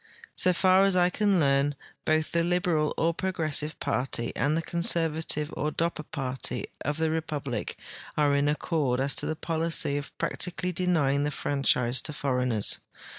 So far as I can learn, both the liberal or progressive party and the conservative or Dopper party of the republic are in accord as to the polic}'' of practically denying the franchise to foreigners.